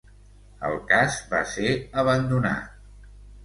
El cas va ser abandonat.